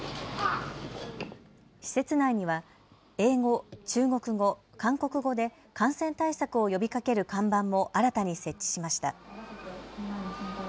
施設内には英語、中国語、韓国語で感染対策を呼びかける看板も新たに設置しました。